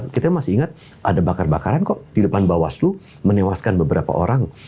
kita masih ingat ada bakar bakaran kok di depan bawaslu menewaskan beberapa orang